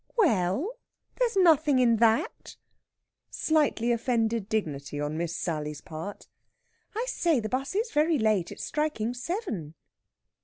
"We ell, there's nothing in that." Slightly offended dignity on Miss Sally's part. "I say, the 'bus is very late; it's striking seven."